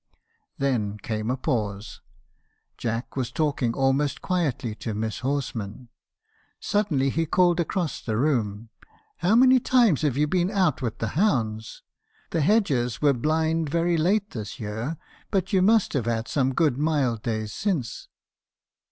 "Then came a pause; Jack was talking almost quietly to Miss Horsman. Suddenly he called across the room — 'How many times have you been out with the hounds? The hedges were blind very late this year, but you must have had some good mild days since.'